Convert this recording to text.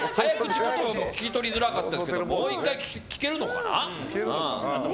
聞き取りづらかったですけどもう１回聞けるかな？